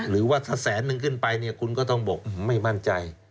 หรือว่าถ้าแสนนึงขึ้นไปเนี่ยคุณก็ต้องบอกไม่มั่นใจ